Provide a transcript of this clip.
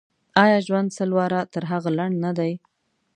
آیا ژوند سل واره تر هغه لنډ نه دی.